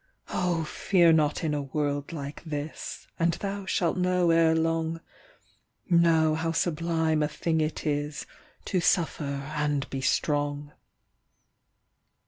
Oh, fear not in a world like this, And thou shalt know ere long, Know how sublime a thing it is To suffer and be strong.